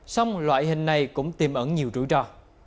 song loại hình này cũng tìm ẩn nhiều rủi ro